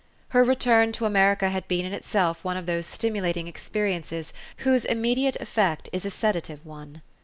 Her return to America had been in itself one of those stimulating experiences whose immediate effect is a sedative one.